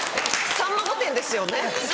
『さんま御殿‼』ですよね？